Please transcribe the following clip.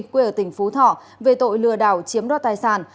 quê ở tỉnh phú thọ về tội lừa đảo chiếm đoạt tài sản